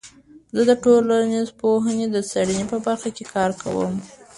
زه د ټولنپوهنې د څیړنې په برخه کې کار کوم.